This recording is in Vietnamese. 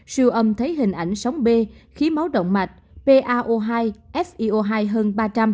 siêu âm thấy hình ảnh sóng b khí máu động mạch pao hai so hai hơn ba trăm linh